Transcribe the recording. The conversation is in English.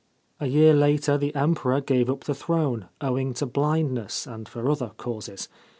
A year later the Emperor gave up the throne, owing to blindness and for other causes.